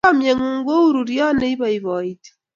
Chomye ng'ung' kou roryot ne ipoipoiti.